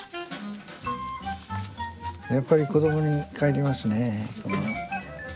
やっぱり子どもに帰りますね